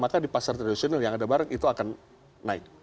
maka di pasar tradisional yang ada barang itu akan naik